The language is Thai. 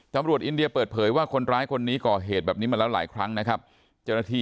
อินเดียเปิดเผยว่าคนร้ายคนนี้ก่อเหตุแบบนี้มาแล้วหลายครั้งนะครับ